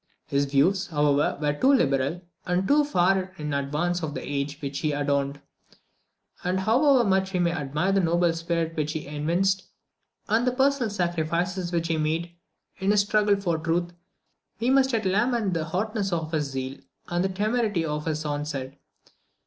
His views, however, were too liberal, and too far in advance of the age which he adorned; and however much we may admire the noble spirit which he evinced, and the personal sacrifices which he made, in his struggle for truth, we must yet lament the hotness of his zeal and the temerity of his onset.